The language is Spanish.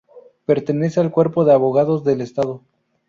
Pertenece al cuerpo de Abogados del Estado.